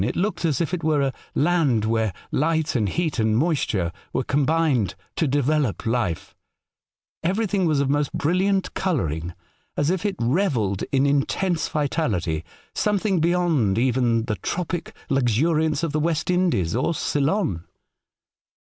It looked as if it were a land where light and heat and moisture were combined to develope life ; everything was of most brilliant colouring, as if it revelled in intense vitality — something beyond even the tropic luxuriance of the West Indies or Ceylon.